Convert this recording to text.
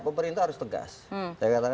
tapi paling tidak publik sudah berharap seperti itu